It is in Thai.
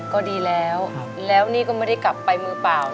ก็ดีแล้วแล้วนี่ก็ไม่ได้กลับไปมือเปล่า